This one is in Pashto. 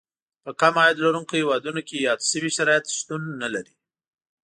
په کم عاید لرونکو هېوادونو کې یاد شوي شرایط شتون نه لري.